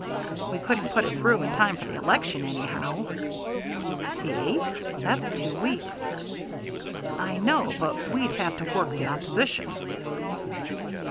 "We couldn't put it through in time for the election anyhow." "The eighth? That's two weeks." "I know it, but we'd have to work the opposition."